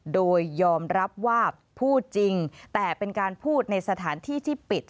โดยยอมรับว่าพูดจริงแต่เป็นการพูดในสถานที่ที่ปิด